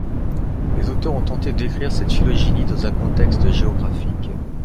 Les auteurs ont tenté de décrire cette phylogénie dans un contexte géographique.